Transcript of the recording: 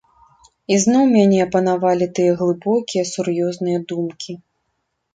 Ізноў мяне апанавалі тыя глыбокія, сур'ёзныя думкі.